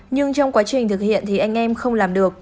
nhưng trong quá trình thực hiện thì anh em không làm được